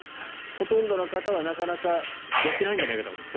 ほとんどの方はなかなかやってないんじゃないかと思います